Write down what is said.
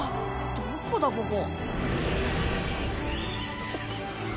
どこだここ？